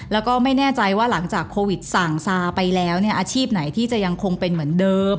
แล้วก็ไม่แน่ใจว่าหลังจากโควิดสั่งซาไปแล้วเนี่ยอาชีพไหนที่จะยังคงเป็นเหมือนเดิม